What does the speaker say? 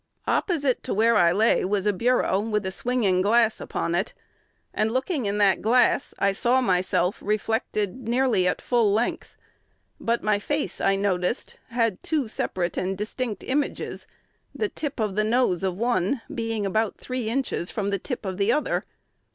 "Opposite to where I lay was a bureau with a swinging glass upon it; and, in looking in that glass, I saw myself reflected nearly at full length; but my face, I noticed, had two separate and distinct images, the tip of the nose of one being about three inches from the tip of the other.